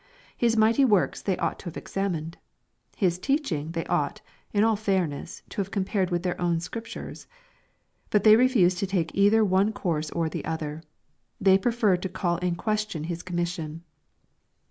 His mighty works they ought to have examined. His teaching they ought, in all fairness, to have compared with their own Scriptures. But they refused to take either one course or the other. They preferred to call in question His .commission.